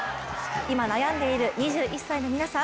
今、悩んでいる２１歳の皆さん